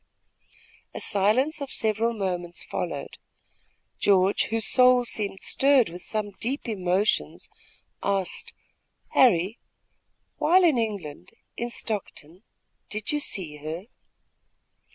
A silence of several moments followed. George, whose soul seemed stirred with some deep emotions, asked: "Harry, while in England, in Stockton, did you see her?"